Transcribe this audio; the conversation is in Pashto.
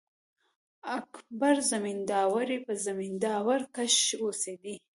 اکبر زمینداوری په زمینداور کښي اوسېدﺉ.